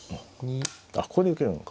あっここで受けるのか。